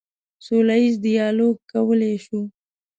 سوله ییز ډیالوګ کولی شو.